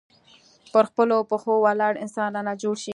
پر خپلو پښو ولاړ انسان رانه جوړ شي.